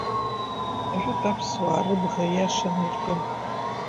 Ажәытә аԥсуаа рыбӷа иашан иркын.